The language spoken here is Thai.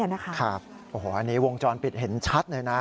อันนี้วงจรปิดเห็นชัดเลยนะ